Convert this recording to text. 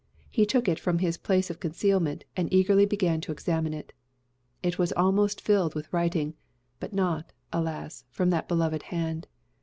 He took it from its place of concealment, and eagerly began to examine it. It was almost filled with writing; but not, alas! from that beloved hand.